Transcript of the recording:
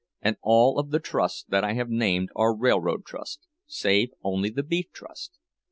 And all of the trusts that I have named are railroad trusts—save only the Beef Trust!